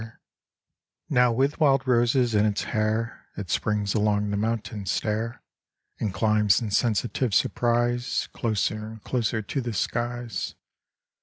The Road to Mount Tom Mow with wild roses in its hair It springs along the mountain stair And climbs in sensitive surprise Closer and closer to the skies.